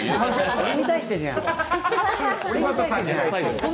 俺に対してじゃん。